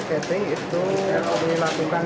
catering itu harus dilakukan